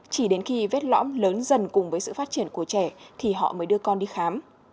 chỉ đến khi vết lõm lớn dần cùng với sự phát triển của trẻ thì họ mới đưa con đi khám